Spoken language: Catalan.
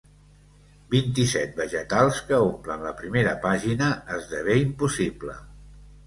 Vint-i-set vegetals que omplen la primera pàgina esdevé impossible.